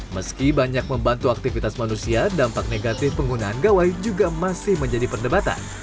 meski banyak membantu aktivitas manusia dampak negatif penggunaan gawai juga masih menjadi perdebatan